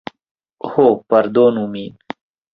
Ho, pardonu min.